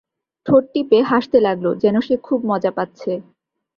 ঠোঁট টিপে হাসতে লাগল, যেন সে খুব মজা পাচ্ছে।